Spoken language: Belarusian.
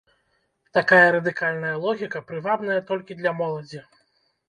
Такая радыкальная логіка прывабная толькі для моладзі.